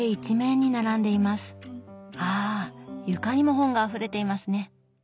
あ床にも本があふれていますね。